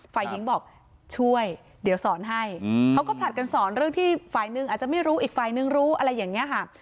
ฝ่ายหญิงบอกช่วยเดี๋ยวสอนให้เขาก็ผลัดกันสอนเรื่องที่ฝ่ายหนึ่งอาจจะไม่รู้อีกฝ่ายนึงรู้อะไรอย่างนี้ค่ะ